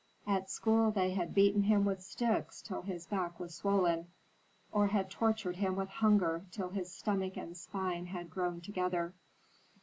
At school they had beaten him with sticks till his back was swollen, or had tortured him with hunger till his stomach and spine had grown together.